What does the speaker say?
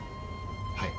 はい。